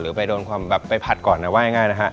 ไปโดนความแบบไปผัดก่อนนะว่าง่ายนะฮะ